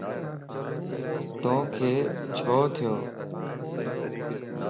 توکَ ڇو ٿيوَ؟